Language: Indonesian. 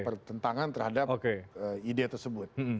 pertentangan terhadap ide tersebut